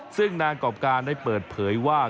ซึ่งนางกรอบการได้เปิดเผยว่า